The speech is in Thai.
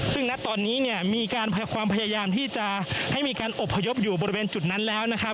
ซึ่งณตอนนี้เนี่ยมีการพยายามความพยายามที่จะให้มีการอบพยพอยู่บริเวณจุดนั้นแล้วนะครับ